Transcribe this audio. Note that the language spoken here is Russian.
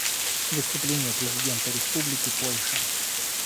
Выступление президента Республики Польша.